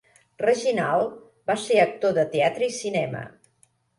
Reginald va ser actor de teatre i cinema.